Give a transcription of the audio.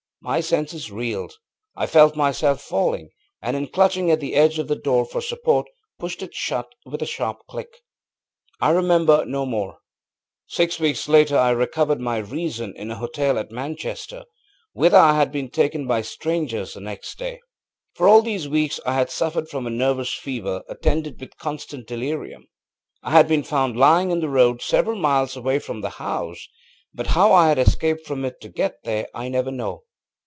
My senses reeled; I felt myself falling, and in clutching at the edge of the door for support pushed it shut with a sharp click! ŌĆ£I remember no more: six weeks later I recovered my reason in a hotel at Manchester, whither I had been taken by strangers the next day. For all these weeks I had suffered from a nervous fever, attended with constant delirium. I had been found lying in the road several miles away from the house; but how I had escaped from it to get there I never knew.